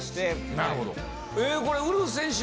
なるほど。